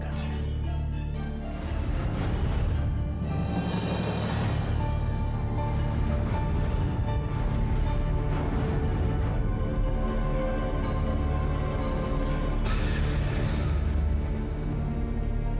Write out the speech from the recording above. dan kemudian aku akan tahan diriku